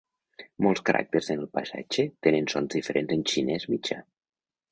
Molts caràcters en el passatge tenien sons diferents en xinès mitjà.